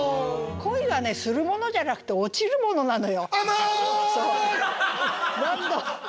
恋はねするものじゃなくて落ちるものなのよ。